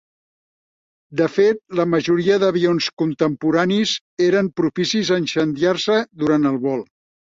De fet, la majoria d"avions contemporanis eren propicis a incendiar-se durant el vol.